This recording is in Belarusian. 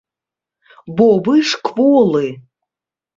Бо вы ж кволы.